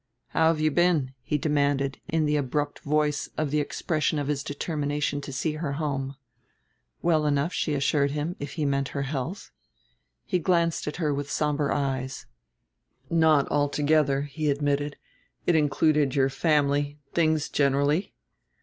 "How have you been?" he demanded in the abrupt voice of the expression of his determination to see her home. Well enough, she assured him, if he meant her health. He glanced at her with somber eyes. "Not altogether," he admitted; "it included your family, things generally."